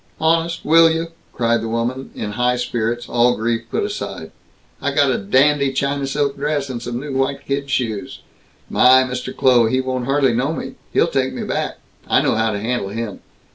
"Honest, will you?" cried the woman, in high spirits, all grief put aside. "I got a dandy China silk dress, and some new white kid shoes! My, Mr. Kloh, he won't hardly know me. He'll take me back. I know how to handle him.